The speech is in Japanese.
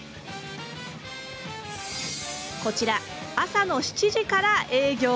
こちら朝の７時から営業。